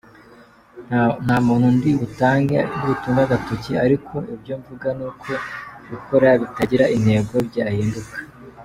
Nta muntu ndibutunge agatoki ariko icyo mvuga ni uko gukora bitagira intego byahinduka.